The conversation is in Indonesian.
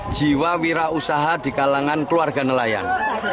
jiwa wira usaha di kalangan keluarga nelayan